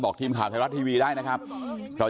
บอกทีมข่าวไทยรัฐทีวีที่เป็นรายการ